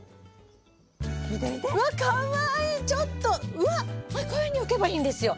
うわっこういうふうに置けばいいんですよ。